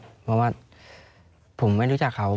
เพราะว่าผมไม่รู้จักเขา